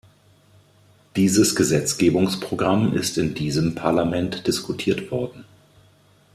Dieses Gesetzgebungsprogramm ist in diesem Parlament diskutiert worden.